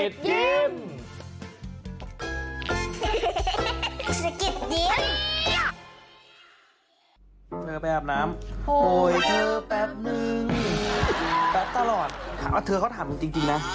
สกิดยิ้ม